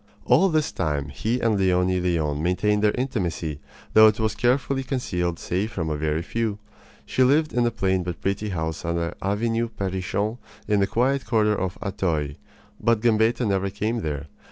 All this time he and Leonie Leon maintained their intimacy, though it was carefully concealed save from a very few. She lived in a plain but pretty house on the Avenue Perrichont in the quiet quarter of Auteuil; but Gambetta never came there.